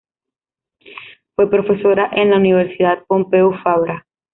Fue profesora en la Universidad Pompeu Fabra.